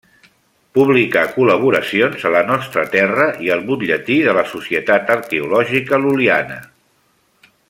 Publicà col·laboracions a La Nostra Terra i al Butlletí de la Societat Arqueològica Lul·liana.